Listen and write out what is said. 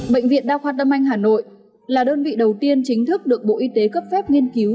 bệnh viện đa khoa tâm anh hà nội là đơn vị đầu tiên chính thức được bộ y tế cấp phép nghiên cứu